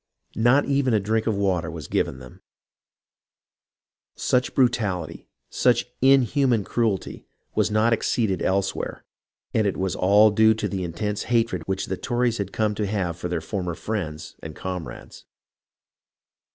Not even a drink of water was given them. Such brutality, such inhuman cruelty, was not exceeded elsewhere, and it all was due to the intense hatred which the Tories had come to have for their former friends and comrades.